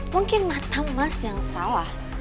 mungkin mata emas yang salah